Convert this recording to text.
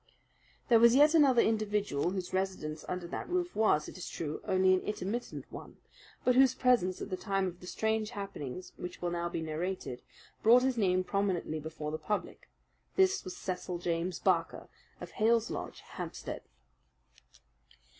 There was yet another individual whose residence under that roof was, it is true, only an intermittent one, but whose presence at the time of the strange happenings which will now be narrated brought his name prominently before the public. This was Cecil James Barker, of Hales Lodge, Hampstead.